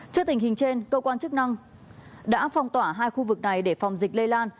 trước tình hình trên cơ quan chức năng đã phong tỏa hai khu vực này để phòng dịch lây lan